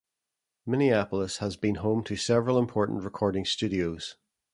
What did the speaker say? Minneapolis has been home to several important recording studios.